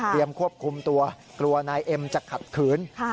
ควบคุมตัวกลัวนายเอ็มจะขัดขืน